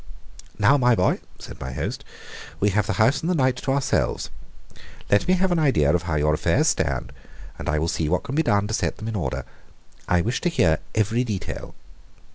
"Now, my boy," said my host, "we have the house and the night to ourselves. Let me have an idea of how your affairs stand, and I will see what can be done to set them in order. I wish to hear every detail."